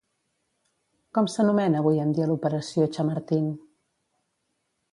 Com s'anomena avui en dia l'operació Chamartín?